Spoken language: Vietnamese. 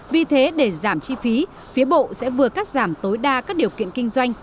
vì thế để giảm chi phí phía bộ sẽ vừa cắt giảm tối đa các điều kiện kinh doanh